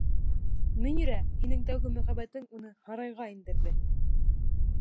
Мөнирә, һинең тәүге мөхәббәтең уны һарайға индерҙе!